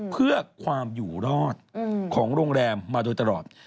เพื่อความอยู่รอดของโรงแรมมาโดยตลอด